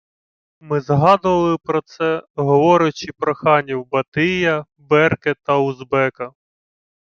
Ми згадували про це, говорячи про ханів Батия, Берке та Узбека